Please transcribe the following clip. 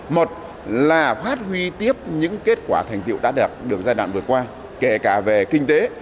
một là phát huy tiếp những kết quả thành tựu đã được giai đoạn vượt qua kể cả về kinh tế